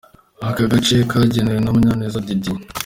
Ako gace kegukanwe na Munyaneza Didier.